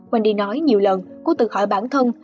wendy nói nhiều lần cô tự hỏi bản thân